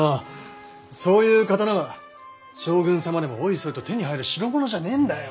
そういう刀は将軍様でもおいそれと手に入る代物じゃねえんだよ。